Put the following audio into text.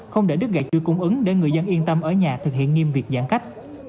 không để đứt gạch chuỗi cung ứng để người dân yên tâm ở nhà thực hiện nghiêm việc giãn cách